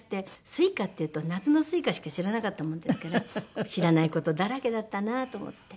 「すいか」っていうと夏の「スイカ」しか知らなかったものですから知らない事だらけだったなと思って。